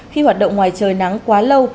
khi hoạt động ngoài trời nắng quá lâu